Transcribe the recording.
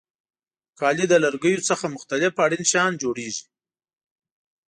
کالي له لرګیو څخه مختلف اړین شیان جوړیږي.